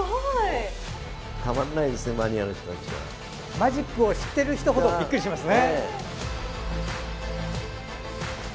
マジックを知ってる人ほどビックリしますね。